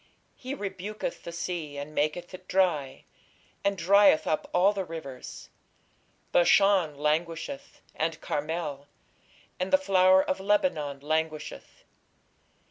He rebuketh the sea, and maketh it dry, and drieth up all the rivers: Bashan languisheth, and Carmel, and the flower of Lebanon languisheth....